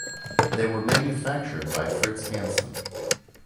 They were manufactured by Fritz Hansen.